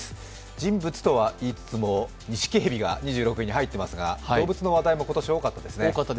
人物とはいいつつも、ニシキヘビが２６位に入っていますが動物の話題も今年多かったですね。